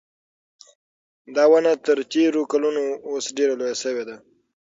دا ونه تر تېرو کلونو اوس ډېره لویه شوې ده.